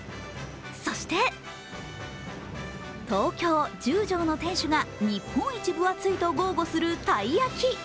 そして、東京・十条の店主が日本一分厚いと豪語するたい焼き。